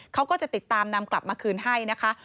เขาก็จะติดตามนำกลับมาคืนให้นะคะ